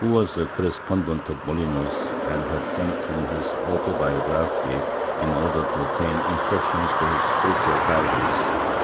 V] MOLINISM 69 correspondent of Molinos and had sent him his autobiography, in order to obtain instructions for his spiritual guidance.